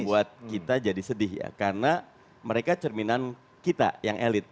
membuat kita jadi sedih ya karena mereka cerminan kita yang elit